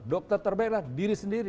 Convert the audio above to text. dokter terbaiklah diri sendiri